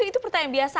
itu pertanyaan biasa